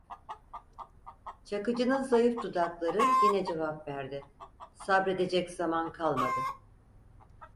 Çakıcı'nın zayıf dudakları yine cevap verdi: - Sabredecek zaman kalmadı.